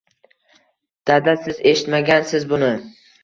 Dada siz eshitmagansiz buni.